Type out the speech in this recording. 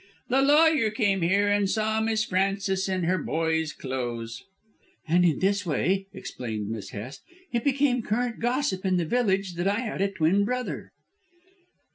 "The lawyer came here and saw Miss Frances in her boy's clothes." "And in this way," explained Miss Hest, "it became current gossip in the village that I had a twin brother."